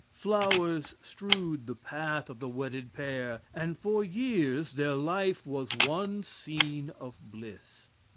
Flowers strewed the path of the wedded pair, and for years their life was one scene of bliss.